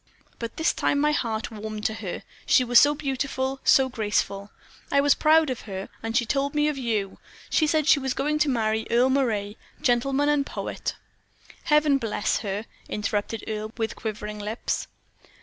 But this time my heart warmed to her, she was so beautiful, so graceful. I was proud of her, and she told me of you; she said she was going to marry Earle Moray, gentleman and poet." "Heaven bless her!" interrupted Earle, with quivering lips.